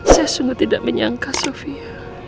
saya sungguh tidak menyangka sofia